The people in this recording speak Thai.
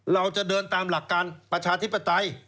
เราจะเดินตามหลักการประชาธิปไตย